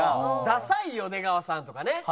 ダサいよ出川さんとかね。